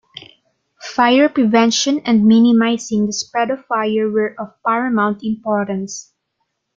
Fire prevention and minimising the spread of fire were of paramount importance.